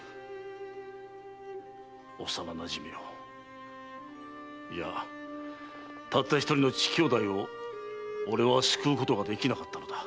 幼なじみをいやたった一人の乳兄弟を俺は救うことができなかったのだ。